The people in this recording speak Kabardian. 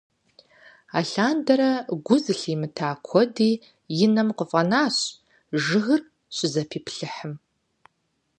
Алъандэрэ гу зылъимыта куэди и нэм къыфӀэнащ жыгыр щызэпиплъыхьым.